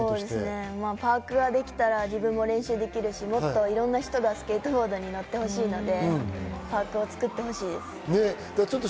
パークができたら自分も練習できるし、もっといろんな人にボードに乗ってほしいので、パークを作ってほしいです。